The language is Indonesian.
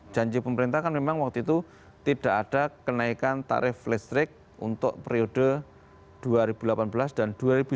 janji pemerintah kan memang waktu itu tidak ada kenaikan tarif listrik untuk periode dua ribu delapan belas dan dua ribu sembilan belas